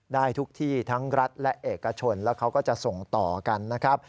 ได้ทุกที่ทั้งรัฐและเอกชนแล้วเขาก็จะส่งต่อกันนะครับ